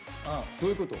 どういうこと？